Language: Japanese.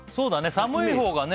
寒いほうがね